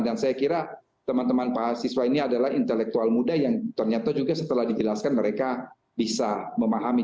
dan saya kira teman teman mahasiswa ini adalah intelektual muda yang ternyata juga setelah dijelaskan mereka bisa memahami